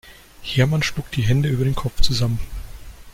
Hermann schlug die Hände über dem Kopf zusammen.